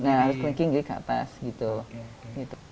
nah harus clearking jadi ke atas gitu